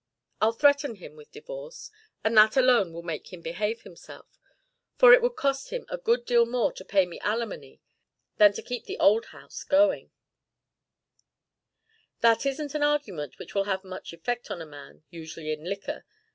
I'll threaten him with divorce, and that alone will make him behave himself, for it would cost him a good deal more to pay me alimony than to keep the old house going " "That isn't an argument that will have much effect on a man, usually in liquor.